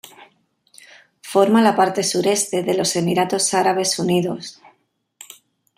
Forma la parte sureste de los Emiratos Árabes Unidos.